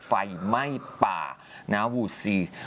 ไฟไหม้ป่านาวูซี